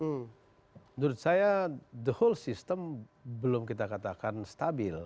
menurut saya seluruh sistem belum kita katakan stabil